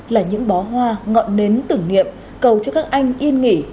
là những bó hoa ngọn nến tưởng niệm cầu cho các anh yên nghỉ